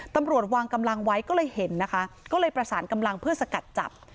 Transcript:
ตำรวจวางกำลังไว้ก็เลยเห็นนะคะก็เลยประสานกำลังเพื่อสกัดจับ